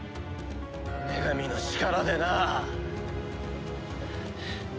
女神の力でな。